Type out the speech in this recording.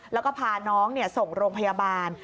แล้วก็พาน้องส่งโรงพยาบาล